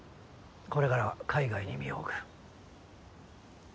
これからは海外に身を置く。